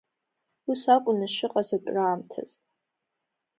Ус акәын ишыҟаз атәраамҭаз.